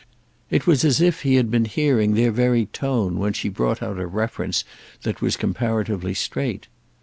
It was as if he had been hearing their very tone when she brought out a reference that was comparatively straight.